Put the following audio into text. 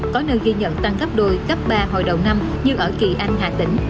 có nơi ghi nhận tăng gấp đôi cấp ba hồi đầu năm như ở kỳ anh hà tĩnh